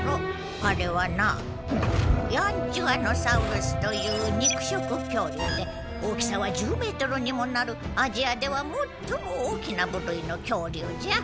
あれはなヤンチュアノサウルスという肉食恐竜で大きさは１０ｍにもなるアジアではもっとも大きな部類の恐竜じゃ。